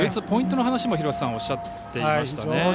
ポイントの話も廣瀬さんおっしゃっていましたね。